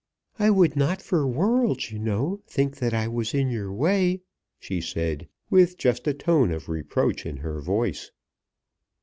"I would not for worlds, you know, think that I was in your way," she said, with just a tone of reproach in her voice.